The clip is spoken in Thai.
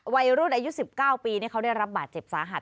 วัยรุ่นอายุ๑๙ปีเขาได้รับบาดเจ็บสาหัส